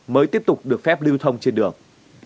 mới tiếp tục được phép lưu thông trên đường